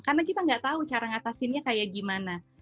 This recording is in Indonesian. karena kita gak tahu cara ngatasinnya kayak gimana